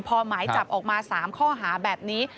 พอหมายจับออกมา๓ข้อหาแบบนี้